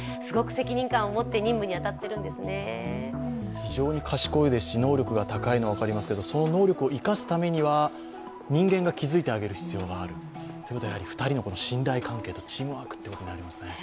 非常に賢いですし、能力が高いのもわかるんですけどその能力を生かすためには人間が気づいてあげる必要がある、ということは２人の信頼関係とチームワークということになりますね。